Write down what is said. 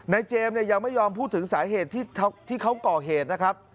เจมส์เนี่ยยังไม่ยอมพูดถึงสาเหตุที่เขาก่อเหตุนะครับ